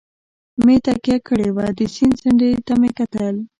مې تکیه کړې وه، د سیند څنډې ته مې وکتل.